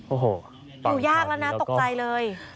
โอ้โหอยู่ยากแล้วนะตกใจเลย